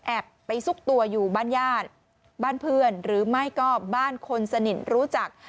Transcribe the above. ไปซุกตัวอยู่บ้านญาติบ้านเพื่อนหรือไม่ก็บ้านคนสนิทรู้จัก